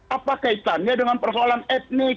apa kaitannya dengan persoalan etnik